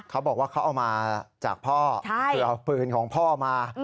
เขาบอกว่าเขาเอามาจากพ่อคือเอาปืนของพ่อมา